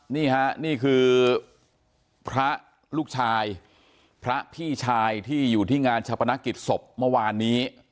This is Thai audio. นี่ฮะนี่คือพระลูกชายพระพี่ชายที่อยู่ที่งานชะปนักกิจศพเมื่อวานนี้